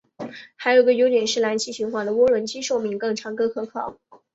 还有一个优点是燃气循环的涡轮机寿命更长更可靠。